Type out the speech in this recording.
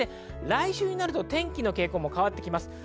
来週になると天気の傾向が変わってきます。